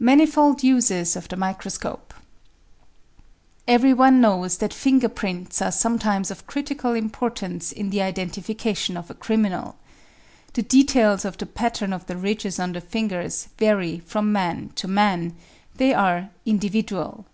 Manifold Uses of the Microscope Everyone knows that finger prints are sometimes of critical importance in the identification of a criminal. The details of the pattern of the ridges on the fingers vary from man to man ; they are individual.